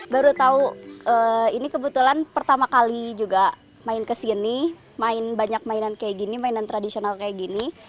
baru tahu ini kebetulan pertama kali juga main kesini main banyak mainan kayak gini mainan tradisional kayak gini